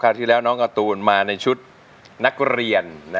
ที่แล้วน้องการ์ตูนมาในชุดนักเรียน